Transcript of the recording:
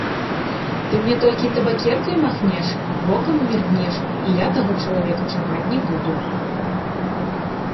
Ты мне толькі табакеркай махнеш, вокам міргнеш, і я таго чалавека чапаць не буду.